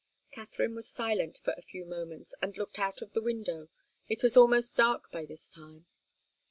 Katharine was silent for a few moments, and looked out of the window. It was almost dark by this time.